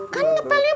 kan ngepelnya bau